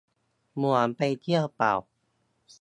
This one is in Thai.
เหมือนไปเที่ยวป่ะ